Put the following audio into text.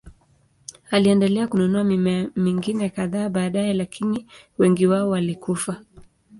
Aliendelea kununua mimea mingine kadhaa baadaye, lakini wengi wao walikufa.